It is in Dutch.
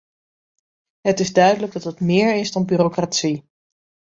Het is duidelijk dat het méér is dan bureaucratie.